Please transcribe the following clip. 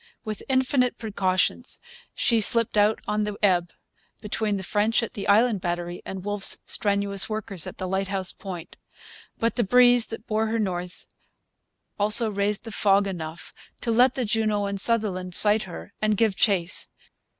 With infinite precautions she slipped out on the ebb, between the French at the Island Battery and Wolfe's strenuous workers at the Lighthouse Point. But the breeze that bore her north also raised the fog enough to let the Juno and Sutherland sight her and give chase.